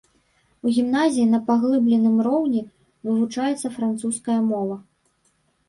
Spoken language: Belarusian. У гімназіі на паглыбленым роўні вывучаецца французская мова.